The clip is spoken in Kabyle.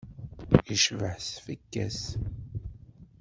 Yecbeḥ s tfekka-s.